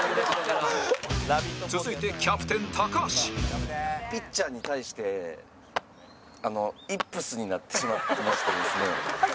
続いてピッチャーに対してイップスになってしまってましてですね。